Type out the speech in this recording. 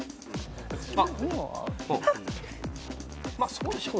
そうでしょう。